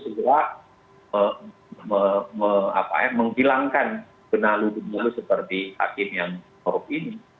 segera menghilangkan benalu benalu seperti hakim yang korup ini